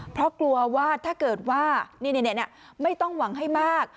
เพราะกลัวว่าถ้าเกิดว่าไม่ต้องหวังให้มาก